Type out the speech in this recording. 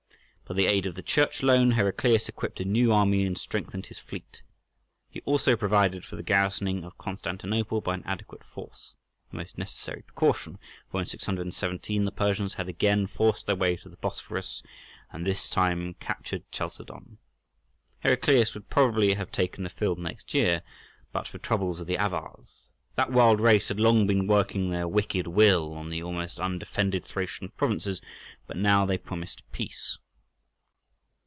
By the aid of the Church loan Heraclius equipped a new army and strengthened his fleet. He also provided for the garrisoning of Constantinople by an adequate force, a most necessary precaution, for in 617 the Persians had again forced their way to the Bosphorus, and this time captured Chalcedon. Heraclius would probably have taken the field next year but for troubles with the Avars. That wild race had long been working their wicked will on the almost undefended Thracian provinces, but now they promised peace.